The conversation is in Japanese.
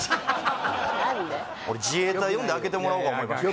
俺自衛隊呼んで開けてもらおうか思いました